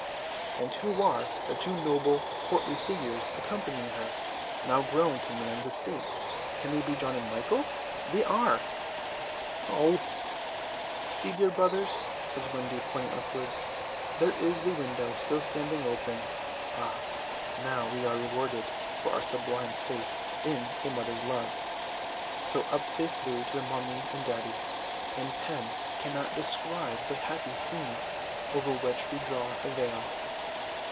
"And who are the two noble portly figures accompanying her, now grown to man's estate? Can they be John and Michael? They are!" "Oh!" "'See, dear brothers,' says Wendy pointing upwards, 'there is the window still standing open. Ah, now we are rewarded for our sublime faith in a mother's love.' So up they flew to their mummy and daddy, and pen cannot describe the happy scene, over which we draw a veil."